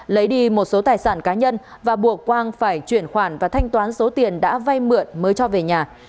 lấy đi một số tài sản cá nhân và buộc quang phải chuyển khoản và thanh toán số tiền đã vay mượn mới cho về nhà